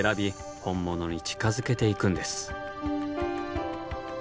本物に近づけていくんです。